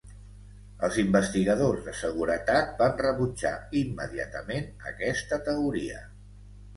Els investigadors de seguretat van rebutjar immediatament aquesta teoria.